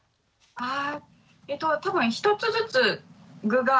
あ多分１つずつ具が。